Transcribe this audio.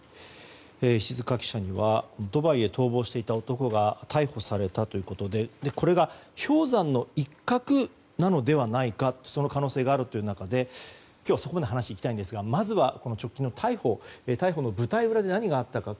石塚記者へはドバイへ逃亡していた男が逮捕されたということでこれが氷山の一角なのではないかその可能性があるという中でそこまで話にいきたいんですがまずは直近の逮捕の舞台裏で何があったのか